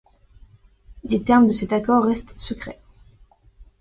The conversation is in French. Les termes de cet accord restèrent secrets.